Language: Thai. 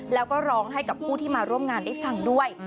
แล้วก็ร้องให้กับผู้ที่มาร่วมงานได้ฟังด้วย